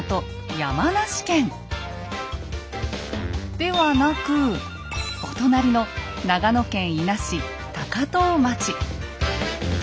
山梨県ではなくお隣の長野県伊那市高遠町。